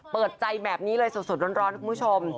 เปิดใจแบบนี้เลยสดร้อนคุณผู้ชม